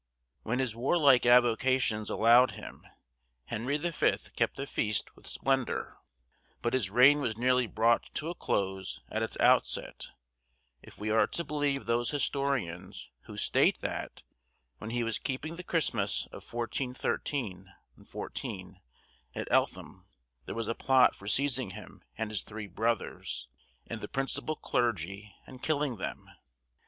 When his warlike avocations allowed him Henry the Fifth kept the feast with splendour; but his reign was nearly brought to a close at its outset, if we are to believe those historians who state that, when he was keeping the Christmas of 1413 14, at Eltham, there was a plot for seizing him and his three brothers, and the principal clergy, and killing them.